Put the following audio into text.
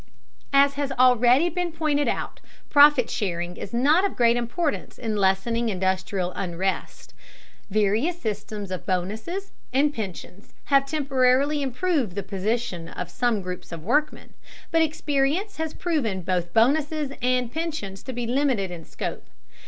As has already been pointed out, profit sharing is not of great importance in lessening industrial unrest. Various systems of bonuses and pensions have temporarily improved the position of some groups of workmen, but experience has proven both bonuses and pensions to be limited in scope.